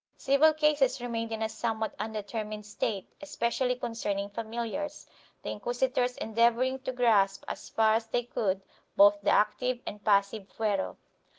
Civil cases remained in a somewhat undetermined state, especially concerning famil iars, the inquisitors endeavoring to grasp as far as they could both the active and passive fuero.